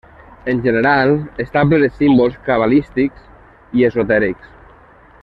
En general està ple de símbols cabalístics i esotèrics.